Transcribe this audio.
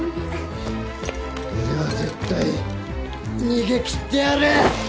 俺は絶対逃げ切ってやる！